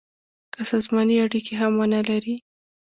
که سازماني اړیکي هم ونه لري.